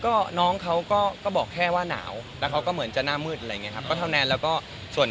ก็น้องเขาก็บอกแค่ว่าหนาวแต่เขาก็เหมือนเป็นหน้ามืดอะไรอย่างงี้ครับ